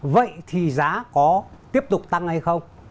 vậy thì giá có tiếp tục tăng hay không